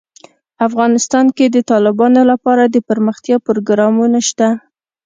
افغانستان کې د تالابونه لپاره دپرمختیا پروګرامونه شته.